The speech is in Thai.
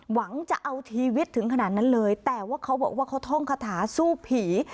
หวังจะเอาชีวิตถึงขนาดนั้นเลยแต่ว่าเขาบอกว่าเขาท่องคาถาสู้ผี